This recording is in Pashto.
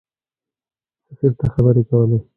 سفیر ته خبرې کولې.